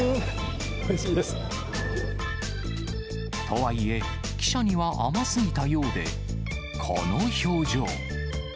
とはいえ、記者には甘すぎたようで、この表情。